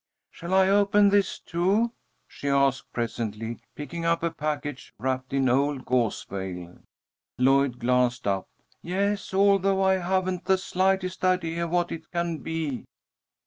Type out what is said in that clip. "Shall I open this, too?" she asked, presently, picking up a package wrapped in an old gauze veil. Lloyd glanced up. "Yes; although I haven't the slightest idea what it can be."